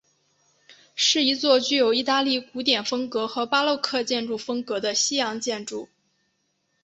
是一座具有意大利古典风格和巴洛克建筑风格的西洋建筑。